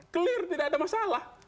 clear tidak ada masalah